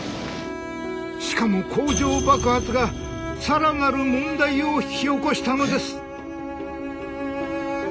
しかも工場爆発がさらなる問題を引き起こしたのです。